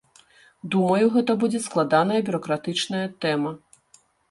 Думаю, гэта будзе складаная бюракратычная тэма.